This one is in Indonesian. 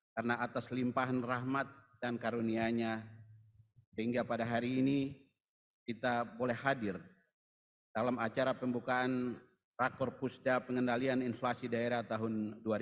karena atas limpahan rahmat dan karunianya sehingga pada hari ini kita boleh hadir dalam acara pembukaan rakor pusda pengendalian inflasi daerah tahun dua ribu dua puluh dua